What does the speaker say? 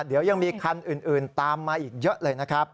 เดี๋ยวยังมีคันอื่นตามมาอีกเยอะเลยนะครับ